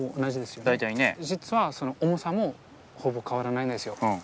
実はその重さもほぼ変わらないんですよ。